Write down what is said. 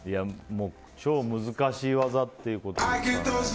超難しい技っていうことで。